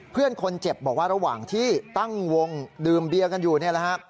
เพื่อนคนเจ็บบอกว่าระหว่างที่ตั้งวงดื่มเบียร์กันอยู่นี่แหละฮะ